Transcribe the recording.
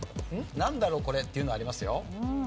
「なんだろう？これ」っていうのありますよ。